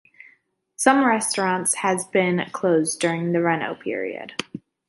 Some restaurants has been closed during the reno period.